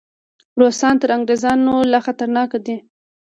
روسان تر انګریزانو لا خطرناک دي.